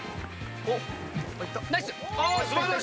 ナイス！